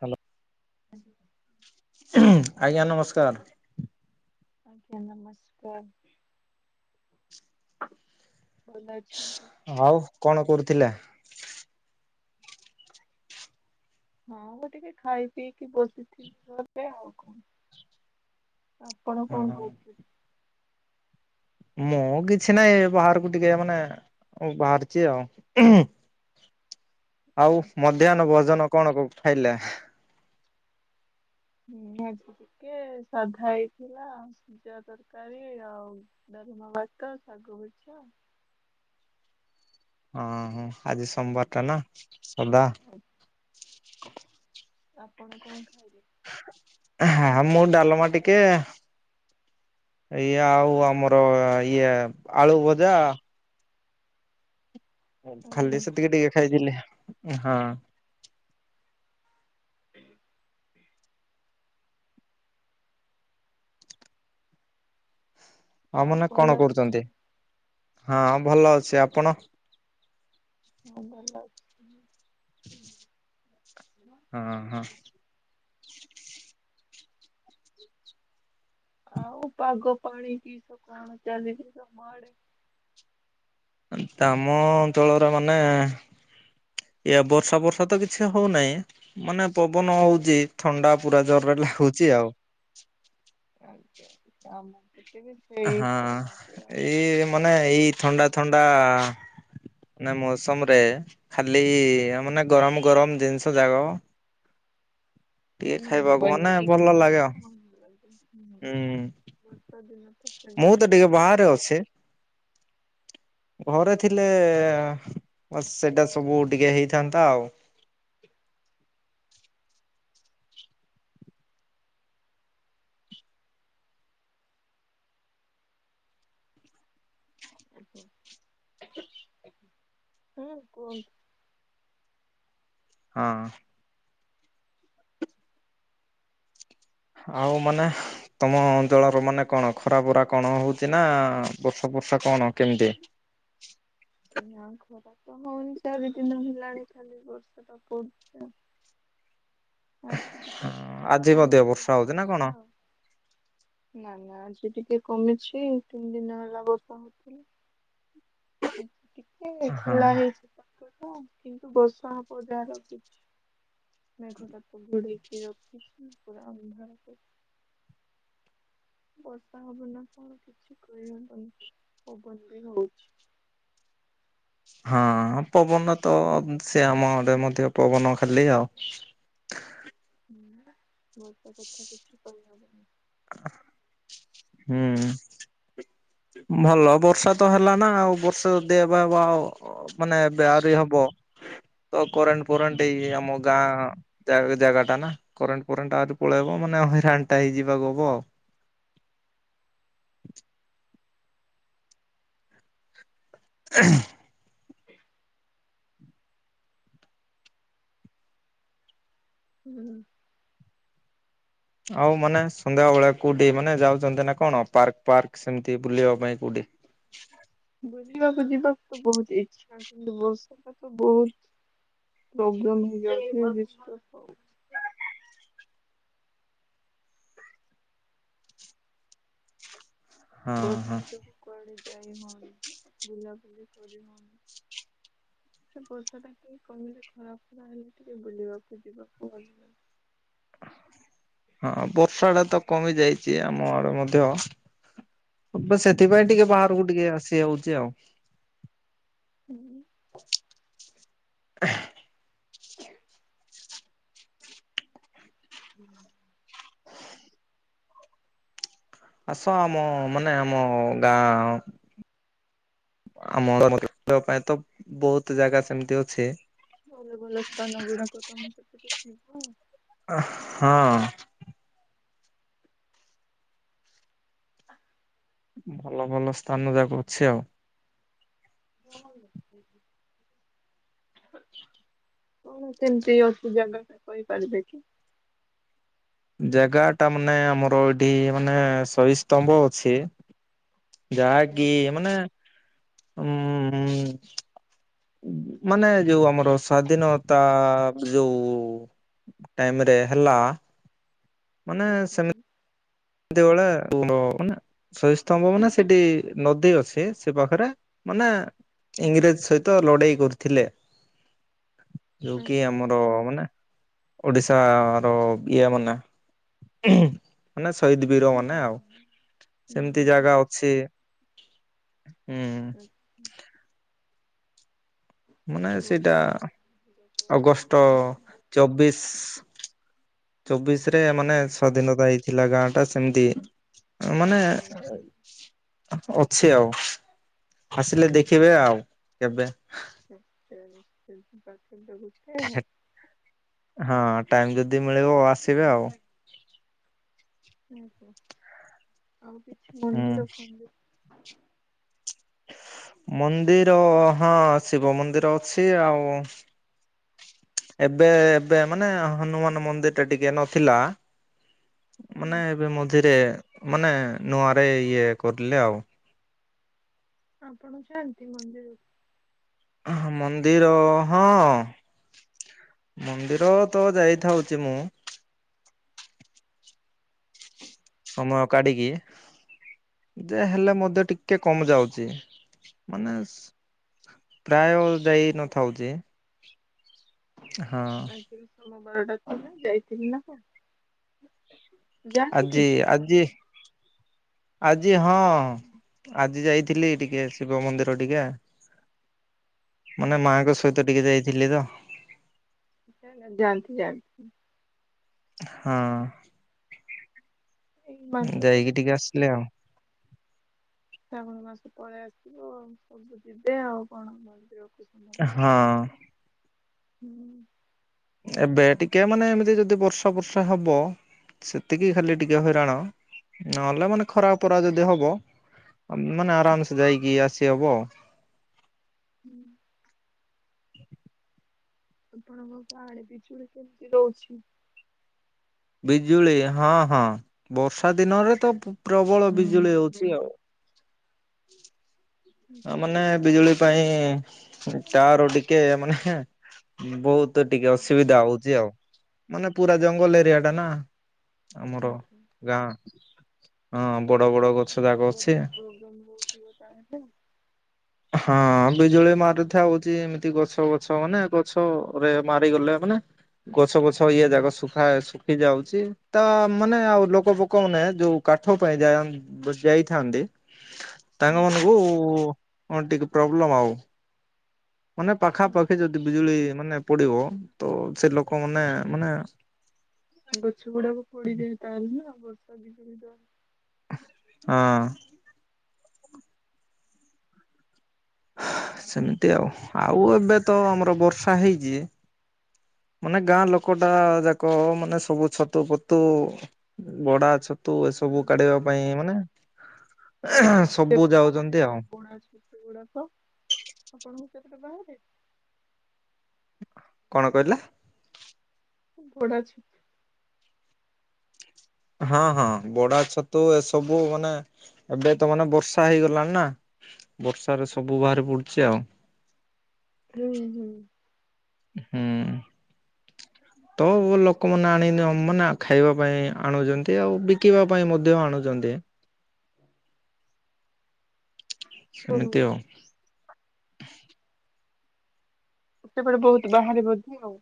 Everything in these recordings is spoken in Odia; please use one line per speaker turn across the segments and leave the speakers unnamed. ହ୍ୟାଲୋ। ଆଜ୍ଞା ନମସ୍କାର।
ଆଜ୍ଞା ନମସ୍କାର। ଭଲ ଅଛନ୍ତି।
ଆଉ କଣ କରୁଥିଲେ?
ହଁ ମୁଁ ଟିକେ ଖାଇ ପିଇକି ବସିଥିଲି ଆଉ କଣ? ଆପଣ
ହଁ
କଣ କହୁଛନ୍ତି?
ମୁଁ କିଛି ନାହିଁ ଏ ବାହାରକୁ ଟିକେ ମାନେ ବାହାରିଛି ଆଉ। ଆଉ ମଧ୍ୟାହ୍ନ ଭୋଜନ କଣ କ ଖାଇଲେ?
ଭେଣ୍ଡି ଟିକେ ସାଧା ହେଇଥିଲା ସିଜା ତରକାରୀ ଆଉ ଗରମ ଭାତ ଶାଗ ଭଜା।
ହଁ ହଁ ଆଜି ସୋମବାର ଟା ନା ସାଧା।
ଆପଣ କଣ ଖାଇଲେ?
ହଁ ମୁଁ ଡାଲମା ଟିକେ ଇଏ ଆଉ ଆମର ଇଏ ଆଳୁ ଭଜା ଖାଲି
ଆଜ୍ଞା।
ସେତିକି ଟିକେ ଖାଇଥିଲି ହଁ।
୍ଞ [inaudible]
ଆଉ ମାନେ
ଭଲ
କଣ କରୁଛନ୍ତି
ଅଛନ୍ତି?
ହଁ ଭଲ ଅଛି ଆପଣ?
ହଁ ଭଲ।
ହଁ ହଁ।
ଆଉ ପାାଗ ପାଣି କିସ କାଣ ଚାଲିିଛି ତମ ଆଡ଼େ।
ତାମ ଅଞ୍ଚଳର ମାନେ ଏ ବର୍ଷା ବର୍ଷା ତ କିଛି ହଉନାହିଁ। ମାନେ ପବନ ହଉଛି ଥଣ୍ଡା ପୁରା ଜରରେ ହଉଛି ଆଉ।
ଆଜ୍ଞା କାମ [unintelligible]
ହଁ ଏଇ ମାନେ
ବର୍ଷା
ଏଇ
ତ କମ
ଥଣ୍ଡା ଥଣ୍ଡା ମାନେ ମୌସମ ରେ ଖାଲି ମାନେ ଗରମ ଗରମ ଜିନିଷ ଯାଙ୍କ
ହୁଁ
ମାନେ
ବନିକି
ଭଲ ଲାଗେ ଆଉ ହୁଁ
ବଷା ଦିନକୁ
ମୁଁ
ପାଗୁଡ଼।
ତ ଟିକେ ବାହାରେ ଅଛି। ତ ଘରେ ଥିଲେ, ସେଇଟା ସବୁ ଟିକେ ହେଇଥାନ୍ତା ଆଉ।
ହୁଁ କୁହ?
ହଁ। ଆଉ ମାନେ? ତମ ଅଞ୍ଚଳର ମାନେ କଣ? ଖରା ଫରା କଣ ହଉଛି ନା, ବର୍ଷା ଫର୍ଷା କଣ କେମିତି?
ନା ଖରା ତ ହଉନି, ଚାରି ଦିନ ହେଲାଣି ଖାଲି ବର୍ଷା ଟା ପଡୁଛି ଆଉ ଆଜି
ହଁ
ଟିକେ ସଖାଳୁ
ଆଜି ମଧ୍ୟ
କମିଛି
ହଉଛି ନା
ବର୍ଷା
କଣ?
ଟା ଆଉ। ନା ନା ଆଜି ଟିକେ କମିଛି। ତିନି ଦିନ ହେଲା ବର୍ଷା ହଉଥିଲି। ଆ ଟିକେ
ହଁ
ଖୋଲା ହେଇଛି ପାଗ ଟା କିନ୍ତୁ ବର୍ଷା ହବ ଯା ରଖଛି। ମେଘ ଟା କୁହୁଡିକି ରଖିଛି ପୁରା ଅନ୍ଧାର କରିକି। ବର୍ଷା ହବ ନା କଣ କିଛି କହିହବନି, ପବନ ବି ହଉଛି।
ହଁ ପବନ ତ, ସେ ଆମଆଡେ ମଧ୍ୟ ପବନ ଖାଲି ଆଉ।
ହୁଁ ବର୍ଷା କଥା କିଛି କହି ହବନି।
ହୁଁ। ଭଲ ବର୍ଷା ତ ହେଲା ନା ଆଉ ବର୍ଷା ଦେହ ହେବ ଆଉ ମାନେ ବିଆରୀ ହବ, ତ କରେଣ୍ଟ ଫୋରେଣ୍ଟ
ହୁଁ,
ଏଇ ଆମ ଗାଁ ଜାଗ-ଜାଗା ଟାନା। କରେଣ୍ଟ ଫରେଣ୍ଟ ଆହୁରି ପଳେଇବ ମାନେ ହଇରାଣ ଟା ହେଇ ଯିବାକୁ ହବ ଆଉ। ହଁ [unintelligible]
ହୁଁ।
ଆଉ ମାନେ ସନ୍ଧ୍ୟାବେଳିଆ କଉଠି ମାନେ ଯାଉଛନ୍ତି ନା କଣ? ପାର୍କ ପାର୍କ ସେମିତି ବୁଲିବା ପାଇଁ କୋଉଠି?
ବୁଲିବାକୁ ଯିବାକୁ ତ ବହୁତ ଇଛା। କିନ୍ତୁ ବସିବାଟ ତ ବହୁତ। ପ୍ରୋବ୍ଲେମ ହେଇଯାଉଛି ନା ଡିଷ୍ଟବ ଆଉ।
ହଁ ହଁ
ବର୍ଷା ଯୋଗୁ କୁଆଡେ ଯାଇ ହୋଉନି। ବୁଲା ବୁଲି କରି ହୋଉନି। ସେ ପଇସା ଟା କିି କହିଲେ ଖରା ଫରା ହେଲେ, ଟିକେ ବୁଲିବାକୁ ଯିବା କୁ
ହଁ ବର୍ଷା ଟା ତ କମି ଯାଇଛି ଆମ ଆଡେ ମଧ୍ୟ। ବ ସେ ସେଥିପାଇଁ
ହୁଁ,
ଟିକେ ବାହାରକୁ ଟିକେ ଆସିଯାଉଛି ଆଉ।
ହୁଁ।
ହ
ହ ହୁଁ।
ଆସ ଆମ ମାନେ ଆମ ଗାଁ। ଆମର ବୁଲିବା ପାଇଁ ତ ବହୁତ ଜାଗା ସେମିତି ଅଛି।
ଭଲ ଭଲ ସ୍ଥାନ ଗୁଡାକ ତମ ସେପଟେ ଥିବ।
ହଁ।
ହଁ
ଭଲ ଭଲ ସ୍ଥାନ ଯାକ ଅଛି ଆଉ।
ଭଲ ହିଁ [unintelligible] କଣ ସେମିତି ଅଛି ଜାଗା ଟା କହିପାରିବେ କି?
ଜାଗା ଟା ମାନେ ଆମର ଏଇଠି ମାନେ ସହି ସ୍ତମ୍ଭ ଅଛି। ଯାହାକି
ଆଜ୍ଞା
ମାନେ ଉଁ ଉଁ ମାନେ ଯୋଉ ଆମର ସ୍ଵାଧୀନତା ଯୋଉ ଟାଇମ୍ ରେ ହେଲା।
ଆଜ୍ଞା।
ଦେଓଳ [unintelligible] ସହି ସ୍ତମ୍ଭ ମାନେ ସେଠି ନଦୀ ଅଛି ସେ ପାଖରେ। ମାନେ ଇଂରେଜ ସହିତ ଲଢେଇ କରୁଥିଲେ। ଯୋଉ
ଆଚ୍ଛା
କି
ଆଚ୍ଛା
ଆମର ମାନେ ଓଡ଼ିଶାର ଇଏ ମାନେ। ସହିଦ୍ ବୀର ମାନେ।
ହୁଁ ହୁଁ
ସେମିତି
ହୁଁ
ଜାଗା ଅଛି।
ହୁଁ ଉଁ।
ମାନେ ସେଇଟା ଅଗଷ୍ଟ
ବହୁଛନ୍ତି।
ଚବିଶ। ଚବିଶ ରେ ମାନେ ସ୍ଵାଧୀନତା ହେଇଥିଲା ଗାଁ ଟା ସେମିତି ମାନେ ଅଛି ଆଉ। ଆସିଲେ ଦେଖିବେ ଆଉ କେବେ।
ଆଚ୍ଛା ନିଶ୍ଚୟ ତ ଗୋଟେ ଆଉ।
ହଁ ଟାଇମ୍ ଯଦି ମିଳିବ ଆସିବେ ଆଉ।
ଓହୋ ଆଉ କିଛି
ହୁଁ।
ମନ୍ଦିର ଖନ୍ଦିର।
ମନ୍ଦିର ହଁ ଶିବ ମନ୍ଦିର ଅଛି ଆଉ ଏବେ ଏବେ ମାନେ ହନୁମାନ ମନ୍ଦିର ଟା ଟିକେ ନଥିଲା। ମାନେ ଏବେ ମଝିରେ ମାନେ ନୂଆରେ ଇଏ କରିଲେ ଆଉ।
ଆପଣ ଯାଆନ୍ତି ମନ୍ଦିରକୁ?
ହଁ ମନ୍ଦିର ହଁ। ମନ୍ଦିର ତ ଯାଇଥାଉଛି ମୁଁ। ହମୟ କାଢ଼ିକି ଯାହେଲେ ମଧ୍ୟ ଟିକେ କମ୍ ଯାଉଛି ମାନେ ସ୍। ପ୍ରାୟ ଯାଇ ନଥାଉଛି। ହଁ
ଆଜି ସୋମ ବାରଟା ଥିଲା ଯାଇଥିଲି ନା କଣ। ଜାଣିନ୍ତି କି?
ଆଜି ଆଜି ଆଜି ହଁ ଆଜି ଯାଇଥିଲି ଟିକେ ଶିବ ମନ୍ଦିର ଟିକେ। ମାନେ ମାଙ୍କ ସହିତ ଟିକେ ଯାଇଥିଲି ତ?
ଯାଆନ୍ତି ଯାଆନ୍ତି।
ହଁ।
ଏଇ ମାସ ପରେ
ଯାଇକି
ତ
ଟିକେ ଆସିଲେ ଆଉ।
ଶ୍ରାବଣ ମାସ ପଳେଇ ଆସିବ ଆ ସବୁ ଯିବେ ଆଉ କଣ ମନ୍ଦିର କୁ। ହୁଁ।
ହଁ ଏବେ ଟିକେ ମାନେ ଏମିତି ଯଦି ବର୍ଷା ଫର୍ଷା ହବ। ସେତିକି ଖାଲି ଟିକେ ହଇରାଣ ନହେଲେ ମାନେ ଖରା ପରା ଯଦି ହବ ମାନେ ଆରାମସେ ଯାଇକି ଆସିହବ ଆଉ।
ହୁଁ। ଆପଣଙ୍କ ପାହାଡେ ବିିଚୁଳି କେମିତି ରହୁଛି?
ବିଜୁଳି ହଁ ହଁ ବର୍ଷା ଦିନରେ ତ ପ୍ରବଳ ବିଜୁଳି ହଉଛି ଆଉ। [inaudible] ତାମାନେ ବିଜୁଳି ପାଇଁ ଚାରୁ ଟିକେ ମାନେ ବହୁତ ଟିକେ
ରହୁଛି
ଅସୁବିଧା
ନା?
ହଉଛି ଆଉ। ମାନେ ପୁରା ଜଙ୍ଗଲ ଏରିଆ
ଆଜ୍ଞା
ଟା ନା ଆମର
ଆଜ୍ଞା।
ଗାଁ। ହଁ ବଡ ବଡ ଗଛ ଯାଗ ଅଛି।
ନେଟୱାର୍କ ପ୍ରୋବ୍ଲେମ ବହୁତ। ଯିବା ତାଠୁ
ହଁ ବିଜୁଳି ମାରିଥା ହଉଛି ଏମିତି ଗଛ ଗଛ ମାନେ ଗଛ ରେ ମାରିଗଲେ ମାନେ ଗଛ ଗଛ ଇଏ ଯାକ ଶୁଖା ଖି ଯାଉଛି ତା ମାନେ ଆଉ ଲୋକ ଫୋକ ମାନେ ଯୋଉ କାଠ ପାଇଁ ଯାଏ। ବୁ ଯାଇଥାନ୍ତି। ତାଙ୍ଗ ମାନଙ୍କୁ ଟିକେ ପ୍ରୋବ୍ଲେମ ଆଉ ମାନେ
ଏମତି
ପାଖାପାଖି ଯଦି। ବିଜୁଳି ମାନେ ପଡିବ ତ ସେ ଲୋକମାନୋନେ ମାନେ
ଗଛ ଗୁଡାକ ପଡିଯାଏ ତାହେଲେ ନା ବର୍ଷା ଦିନ ବିତ
ହଁ। ସେମିତି ଆଉ ଆଉ ଏବେ ତ ଆମର ବର୍ଷା ହେଇଛି। ମାନେ ଗାଁ ଲୋକ ଟା ଯାକ ମାନେ ସବୁ ଛତୁ ଫତୁ ବଡା ଛତୁ ତୁ ଏସବୁ କାଢେଇିବା ପାଇଁ ମାନେ ‌
ଏଇ ଋତୁରେ ଯୋଉ ବାହାରେ
ଯାଉଛନ୍ତି ଆଉ।
ବୋଡା ଛତୁ ଗୁଡାକ ଆପଣଙ୍କ ସେପଟେ ବାହାରେ।
କଣ କହିଲେ।
ବୋଡା‌ ଛତୁ।
ହଁ ହଁ ବଡା ଛତୁ ଏସବୁ ମାନେ ଏବେ ତ ମାନେ ବର୍ଷା ହେଇଗଲାଣି ନା। ବର୍ଷାରେ ସବୁ ବାହାରି ପଡୁଛି ଆଉ।
ହୁଁ ହୁଁ।
ହୁଁ। ତ ଲୋକମାନେ ଆଣି ଅ ମାନେ ଖାଇବା ପାଇଁ ଆଣୁଚନ୍ତି ଆଉ ବିକିବା ପାଇଁ ମଧ୍ୟ ଆଣୁଚନ୍ତି।
ହ ଓହୋ
ସେମିତି ଆଉ।
ଏତେବେଳେ ବହୁତ ବାହାରେ ବୋଧେ ଆଉ।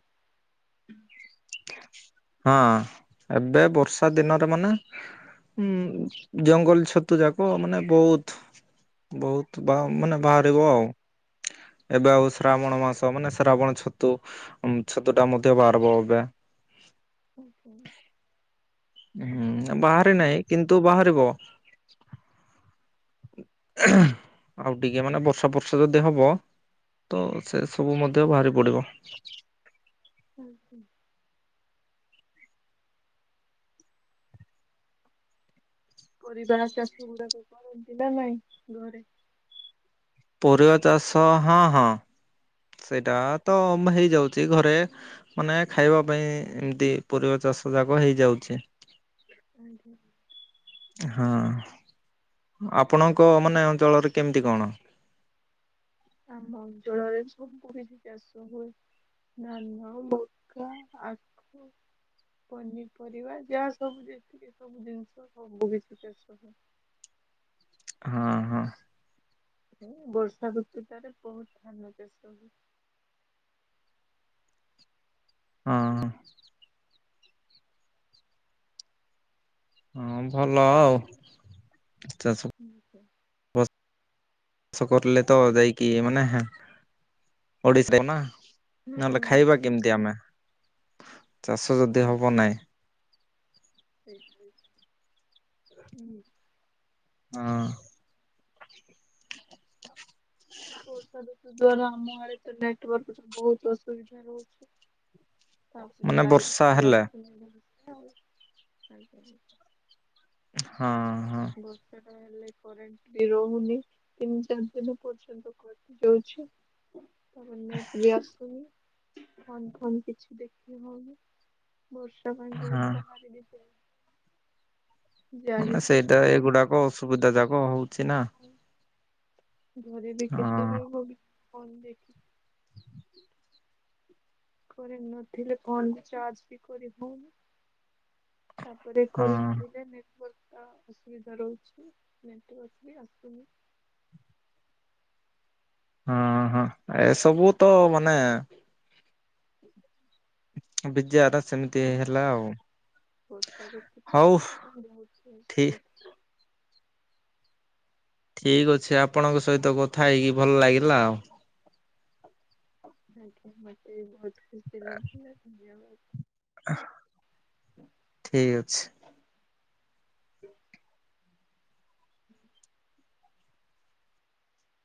ହଁ ଏବେ ବର୍ଷା ଦିନରେ ମାନେ। ହୁଁ ଜଙ୍ଗଲ ଛତୁ ଯାକ ମାନେ ବହୁତ। ବହୁତ ବା ମାନେ ବାହାରିବ ଆଉ। ଏବେ ଆଉ ଶ୍ରାବଣ ମାସ ମାନେ ଶ୍ରାବଣ ଛତୁ ଛତୁ ଟା ମଧ୍ୟ ବାରବ ଏବେ।
ଉଁ ହୁଁ।
ହୁଁ ବାହାରି ନାହିଁ କିନ୍ତୁ ବାହାରିବ। ଆଉ ଟିକେ ମାନେ ବର୍ଷା ପର୍ଷା ଯଦି ହବ। ତ ସେ ସବୁ ମଧ୍ୟ ବାହାରି ପଡ଼ିବ।
ଆଜ୍ଞା। ପରିବା ଚାଷ ଗୁଡାକ କରନ୍ତି ନା ନାଇଁ ଘରେ।
ପରିବା ଚାଷ ହଁ ହଁ ସେଇଟା ତ ମ ହେଇଯାଉଛି ଘରେ। ମାନେ ଖାଇବା ପାଇଁ ଏମିତି ପରିବା ଚାଷ ଯାକ ହେଇଯାଉଛି।
ଆଜ୍ଞା।
ହାଁ ଆପଣଙ୍କ ମାନେ ଅଞ୍ଚଳରେ କେମିତି କଣ।
ଆମ ଅଞ୍ଚଳ ରେ ସବୁ କଛି ଚାଷ ହୁଏ। ଧାନ‌ ମୁଗ ଆଖୁ। ପନିପରିବା ଯା ସବୁ ଯେତିକି ସବୁ ଜିନିଷ ସବୁ କିଛି ଚାଷ ହୁଏ।
ହଁ ହଁ।
ହୁଁ ବର୍ଷା ଋତୁ ଟାରେ ବହୁତ ଧାନ ଚାଷ ହୁଏ।
ହଁ। ହଁ ଭଲ ଆଉ ଚାଷ।
ଆଜ୍ଞା।
ବ ଚାଷ କରିଲେ ତ ଯାଇକି ମାନେ ହେଁ। ଓଡିଶ ରେ ବନା। ନହେଲେ
ହୁଁ
ଖାଇବା କେମିତି ଆମେ ଚାଷ ଯଦି ହବ ନହିଁ ‌।
ଠିକ୍ ଠିକ୍ ହୁଁ।
ଅଁ। ହଁ
ବର୍ଷା ଋତୁ ଦ୍ଵାରା ଆମ ଆଡେ ତ ନେଟୱାର୍କ ର ବହୁତ ଅସୁବିଧା ରହୁଛି। ତାପରେ
ମାନେ
ଲାଇଟ
ବର୍ଷା
ରେ
ହେଲେ
ଅସୁବିଧା ଆଉ ଆଜ୍ଞା ଆଜ୍ଞା।
ହଁ ହଁ।
ବର୍ଷା ଟା ହେଲେ କରେ ରେଣ୍ଟ ବି ରହୁନି ତିନି ଚାରି ଦିନ ପର୍ଯ୍ୟନ୍ତ କଟି ଯାଉଛି। ତାପରେ ନେଟ ବି ଆସୁନି ଫୋନ ଫୋନ କିଛି ଦେଖି ହଉନି ବର୍ଷ ବର୍ଷା ପାଇଁ
ହଁ
କୋଉଠି ବାହାରି ବି
ମାନେ ସେଇଟା
[inaudible]
ଏଗୁଡାକ
ଘରେ
ଅସୁବିଧା ଯାକ ହଉଛି ନା
ବି କେତେବେଳେ କୋଉଠି
ହଁ
ଫୋନ [inaudible] କରେଣ୍ଟ ନଥିଲେ କଣ ଚାର୍ଜ ବି କରି ହଉନି। ତାପରେ
ହଁ
କରିଥିଲେ ନେଟୱାର୍କ ଅସୁବିଧା ରହୁଛି, ନେଟୱାର୍କ ବି ଆସୁନି।
ହଁ ହଁ ଏସବୁ ତ ମାନେ ବିଦ୍ୟାର
ହୁଁ ବର୍ଷ
ହଉ ଠିକ
[unintelligible]
ଠିକ୍ ଅଛି, ଆପଣଙ୍କ ସହିତ କଥା ହେଇକି ଭଲ ଲାଗିଲା ଆଉ
ଆଜ୍ଞା, ମତେ ବି ବହୁତ ଖୁସି ଲାଗିଲା, ଧନ୍ୟବାଦ।
ଠିକ ଅଛି।
[inaudible] [inaudible]